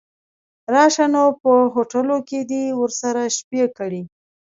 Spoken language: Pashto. راشه نو په هوټلو کې دې ورسره شپې کړي.